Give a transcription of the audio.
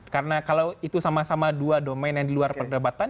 karena kalau itu sama sama dua domain yang diluar perdebatan